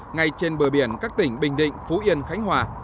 ngay trên bờ biển các tỉnh bình định phú yên khánh hòa